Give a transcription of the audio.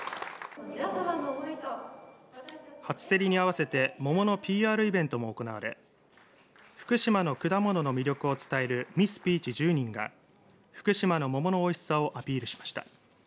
初競りに合わせて桃のＰＲイベントも行われ福島の果物の魅力を伝えるミスピーチ１０人が福島の桃のおいしさをアピールしました。